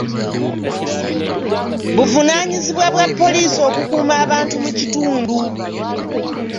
Buvunaanyizibwa bwa poliisi okukuuma abantu mu kitundu.